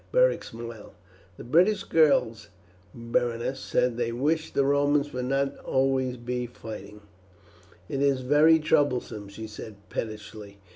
Beric smiled. "The British girls, Berenice, say they wish the Romans would not be always fighting." "It is very troublesome," she said pettishly.